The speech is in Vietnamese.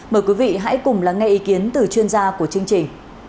mời quý vị hãy cùng lắng nghe ý kiến từ chuyên gia của chương trình